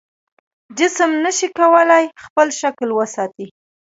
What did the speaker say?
جسم نشي کولی خپل شکل وساتي.